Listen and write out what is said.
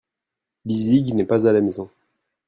Lizig n'est pas à la maison.